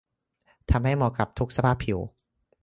ทำให้เหมาะกับทุกสภาพผิว